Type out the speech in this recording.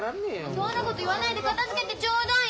そんなこと言わないで片づけてちょうだい！